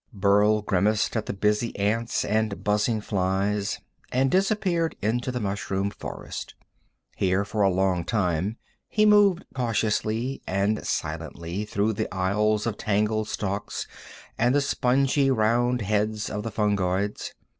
Burl grimaced at the busy ants and buzzing flies, and disappeared into the mushroom forest. Here for a long time he moved cautiously and silently through the aisles of tangled stalks and the spongy, round heads of the fungoids.